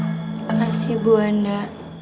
makasih bu wanda